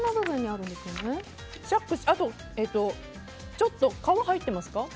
あと、ちょっと皮、入ってますか？